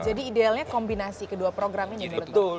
jadi idealnya kombinasi kedua program ini betul